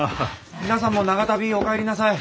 皆さんも長旅お帰りなさい。